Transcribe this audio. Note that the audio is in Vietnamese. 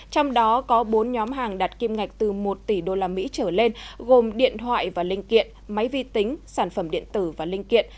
trong đó có bốn nhóm hàng đặt kim ngạch từ một tỷ đô la mỹ trở lên gồm điện thoại và linh kiện máy vi tính sản phẩm điện tử và linh kiện